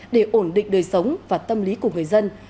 để ổn định đời sống và tâm lý của người dân